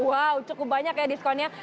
wow cukup banyak ya diskonnya